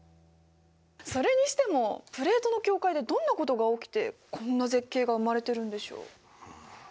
それにしてもプレートの境界でどんなことが起きてこんな絶景が生まれてるんでしょう？